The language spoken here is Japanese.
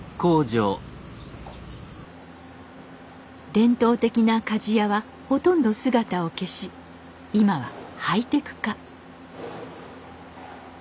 伝統的な鍛冶屋はほとんど姿を消し今はハイテク化。